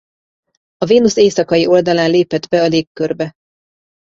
A Vénusz éjszakai oldalán lépett be a légkörbe.